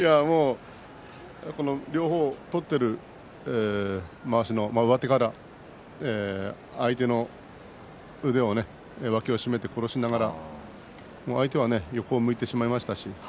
両方取ってる、まわしの上手から相手の腕を殺しながら脇を締めて相手が、そっぽを向いてしまいましたしね。